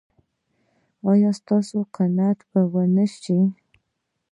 ایا ستاسو قناعت به و نه شي؟